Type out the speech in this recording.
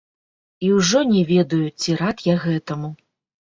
І ўжо не ведаю, ці рад я гэтаму.